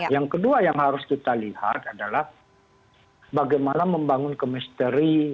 yang kedua yang harus kita lihat adalah bagaimana membangun kemisteri